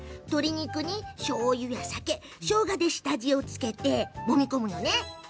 鶏肉に、しょうゆや酒しょうがで下味を付けてもみ込みます。